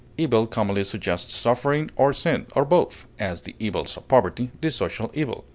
Evil commonly suggests suffering or sin, or both; as, the evils of poverty, the social evil.